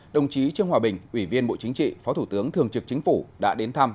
đồng chí trương hòa bình ủy viên bộ chính trị phó thủ tướng thường trực chính phủ đã đến thăm